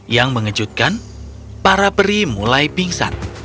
yang mengejutkan para peri mulai pingsan